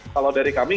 kalau dari kami